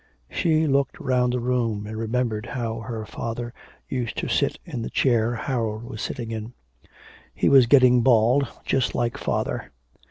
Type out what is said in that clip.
She looked round the room and remembered how her father used to sit in the chair Harold was sitting in. He was getting bald just like father.